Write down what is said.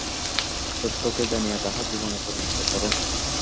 সত্যকে জানিয়া তাহা জীবনে পরিণত কর।